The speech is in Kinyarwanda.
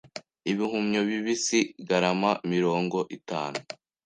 Ibihumyo bibisi garama mirongo itanu